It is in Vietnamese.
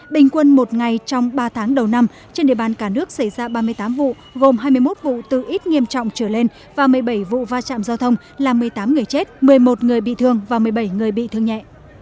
bình quân một ngày trong ba tháng đầu năm trên địa bàn cả nước xảy ra ba mươi tám vụ gồm hai mươi một vụ từ ít nghiêm trọng trở lên và một mươi bảy vụ va chạm giao thông làm một mươi tám người chết một mươi một người bị thương và một mươi bảy người bị thương nhẹ